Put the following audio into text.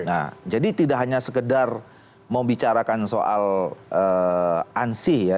nah jadi tidak hanya sekedar membicarakan soal ansi ya